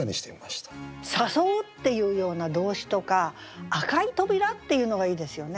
「誘う」っていうような動詞とか「赤い扉」っていうのがいいですよね。